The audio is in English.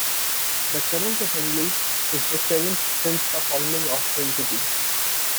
The current assembly is the seventh since the founding of the entity.